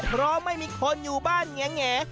เพราะไม่มีคนอยู่บ้านแง่